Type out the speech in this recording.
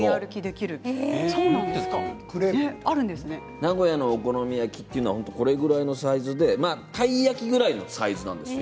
名古屋のお好みはこのぐらいのサイズでたい焼きぐらいのサイズなんですよ。